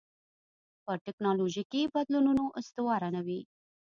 پر ټکنالوژیکي بدلونونو استواره نه وي.